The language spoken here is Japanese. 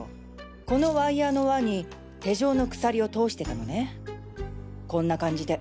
このワイヤーの輪に手錠の鎖を通してたのねこんな感じで。